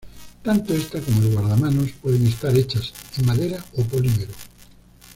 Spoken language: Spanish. Tanto esta como el guardamanos pueden estar hechas en madera o polímero.